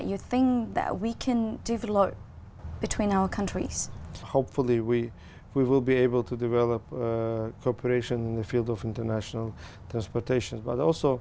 tôi nghĩ rằng thức ăn việt là một trong những thứ tốt nhất trong thế giới